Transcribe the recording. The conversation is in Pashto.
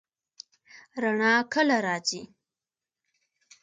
رڼا کله راځي؟